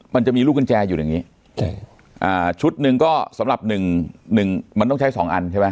มันจะมีลูกกุญแจอยู่อย่างงี้ใช่อ่าชุดหนึ่งก็สำหรับหนึ่งหนึ่งมันต้องใช้สองอันใช่ไหม